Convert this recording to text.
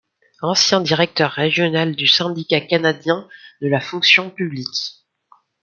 Ancien directeur régional du Syndicat canadien de la fonction publique.